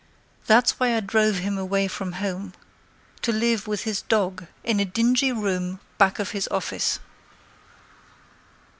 That's why I drove him away from home To live with his dog in a dingy room Back of his office.